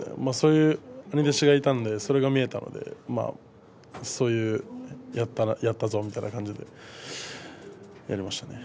兄弟子がいたのでそれが見えたのでやったぞ、みたいな感じでやりましたね。